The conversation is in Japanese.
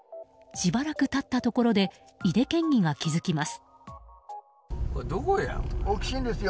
しばらく経ったところで井手県議が気付きます。